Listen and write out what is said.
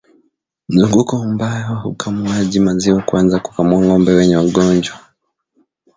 Mzunguko mbaya wa ukamuaji maziwa kuanza kukamua ngombe wenye ugonjwa